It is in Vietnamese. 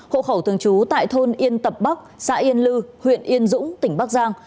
hộ khẩu thường trú tại thôn yên tập bắc xã yên lư huyện yên dũng tỉnh bắc giang